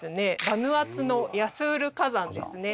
バヌアツのヤスール火山ですね。